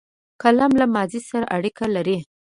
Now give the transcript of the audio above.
قلم له ماضي سره اړیکه لري